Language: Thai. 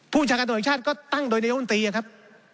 ผู้ชาติกับนายโมนตรีก็ตั้งโดยนายโมนตรีครับ